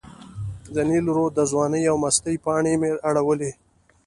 د نیل رود د ځوانۍ او مستۍ پاڼې مې اړولې.